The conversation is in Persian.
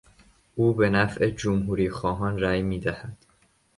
او به نفع جمهوریخواهان رای میدهد.